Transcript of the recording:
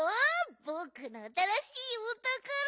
ぼくのあたらしいおたから。